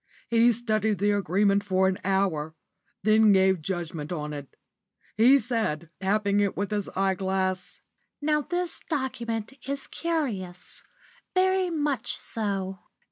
He studied the agreement for an hour, then gave judgment on it. He said, tapping it with his eyeglass, 'Now this document is curious very much so.